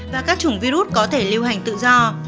và các chủng virus có thể lưu hành tự do